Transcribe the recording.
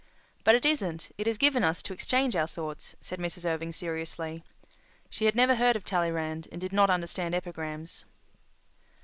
"But it isn't—it is given us to exchange our thoughts," said Mrs. Irving seriously. She had never heard of Tallyrand and did not understand epigrams.